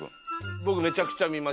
僕めちゃくちゃ見ます。